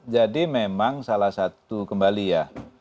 jadi memang salah satu kembali ya